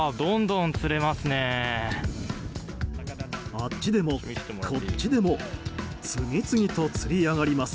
あっちでも、こっちでも次々と釣り上がります。